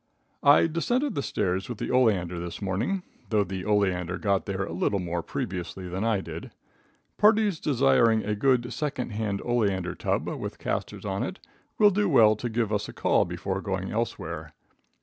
I descended the stairs with the oleander this morning, though the oleander got there a little more previously than I did. Parties desiring a good, secondhand oleander tub, with castors on it, will do well to give us a call before going elsewhere.